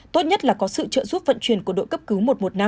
tốt nhất là có sự trợ giúp vận chuyển của đội cấp cứu một một năm